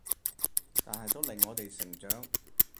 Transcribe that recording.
但係都令我哋成長